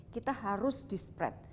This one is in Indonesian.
kita harus di spread